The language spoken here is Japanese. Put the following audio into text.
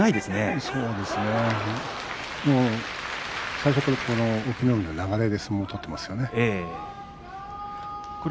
最初から隠岐の海の流れで相撲を取っていますね。